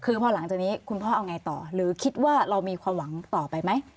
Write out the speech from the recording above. คือพอหลังจากนี้คุณพ่อเอาไงต่อหรือคิดว่าเรามีความหวังต่อไปไหม